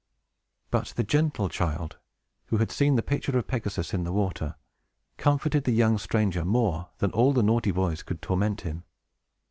But the gentle child, who had seen the picture of Pegasus in the water, comforted the young stranger more than all the naughty boys could torment him.